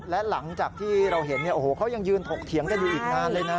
และหลังจากที่เราเห็นเขายังยืนถกเถียงกันอยู่อีกนานเลยนะ